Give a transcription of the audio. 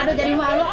aduh jadi malu